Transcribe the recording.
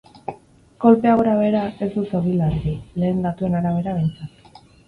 Kolpea gorabehera, ez du zauri larririk, lehen datuen arabera behintzat.